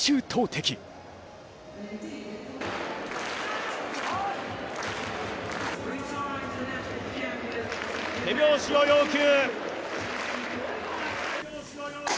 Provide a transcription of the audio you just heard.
手拍子を要求。